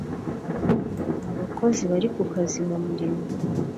Abakozi bari ku kazi mu murimo